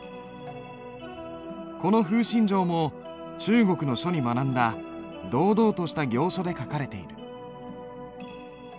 この「風信帖」も中国の書に学んだ堂々とした行書で書かれている。